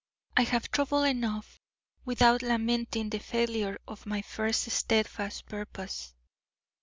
I have trouble enough, without lamenting the failure of my first steadfast purpose."